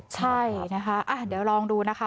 ใช่นะคะเดี๋ยวลองดูนะคะ